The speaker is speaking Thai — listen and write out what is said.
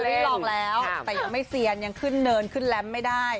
ได้ลองแล้วแต่ยังไม่เซียนยังขึ้นเนินขึ้นแรมไม่ได้